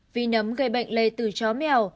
vi nấm gây bệnh lây từ chó mèo